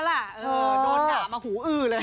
โดนด่ามาหูอื้อเลย